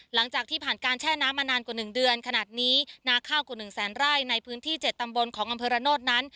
หลังจากที่ผ่านการแช่น้ำมานานกว่า๑เดือนขนาดนี้นาข้าวกว่า๑แสนไร่ในพื้นที่๗ตำบลของอำเภอระโนธนั้น